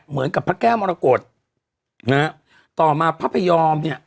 เหมือนกับพระแก้วมรกฏนะฮะต่อมาพระพยอมเนี่ย